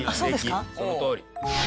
そのとおり。